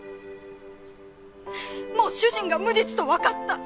もう主人が無実とわかった。